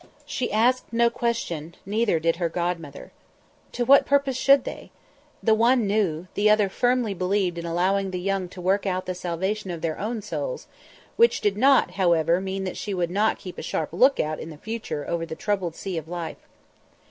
She asked no question, neither did her godmother. To what purpose should they? The one knew; the other firmly believed in allowing the young to work out the salvation of their own souls; which did not, however, mean that she would not keep a sharp look out in the future over the troubled sea of Life.